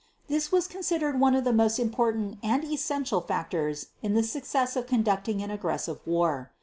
This was considered one of the most important and essential factors in the success of conducting an aggressive war.